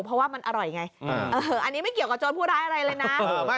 เพราะว่ามันอร่อยไงอันนี้ไม่เกี่ยวกับโจรผู้ร้ายอะไรเลยนะ